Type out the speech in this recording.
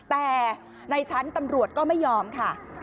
แต่ในชั้นตำรวจก็ไม่ยอมค่ะ